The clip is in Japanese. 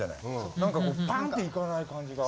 何かこうパンっていかない感じが。